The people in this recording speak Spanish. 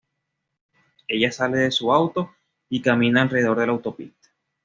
Ella sale de su auto y camina alrededor de la autopista.